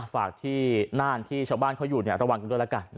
ฝากที่น่านที่ชาวบ้านเขาอยู่ระวังกันด้วยแล้วกัน